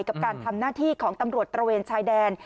กับการทำหน้าที่ของตำรวจตระเวนชายแดน